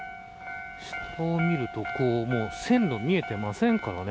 下を見るともう線路見えてませんからね。